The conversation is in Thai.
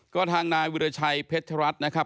ก็ทางนาวิลชัยเผ็ดรัสนะครับ